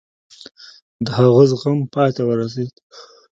د هغه زغم پای ته ورسېد.